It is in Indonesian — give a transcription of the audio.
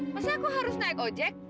masa aku harus naik ojek